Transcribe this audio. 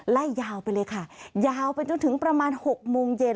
ไล่ยาวไปเลยค่ะยาวไปจนถึงประมาณ๖โมงเย็น